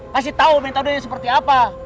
kasih tahu metodenya seperti apa